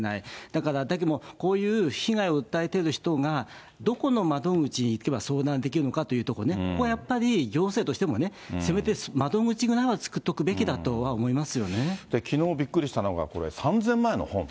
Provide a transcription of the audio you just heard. だから、だけども、こういう被害を訴えている人が、どこの窓口に行けば相談できるのかというところね、これはやっぱり、行政としてもね、せめて窓口ぐらいは作っておくべきだとは思きのう、びっくりしたのが、これ３０００万円の本。